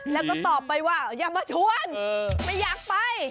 แล้วก็ตอบไปว่าอย่ามาชวนไม่อยากไป